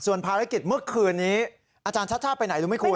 ส่วนภารกิจเมื่อคืนนี้อาจารย์ชัดไปไหนรู้ไม่คุ้น